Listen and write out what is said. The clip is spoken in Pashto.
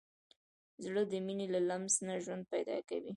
زړه د مینې له لمس نه ژوند پیدا کوي.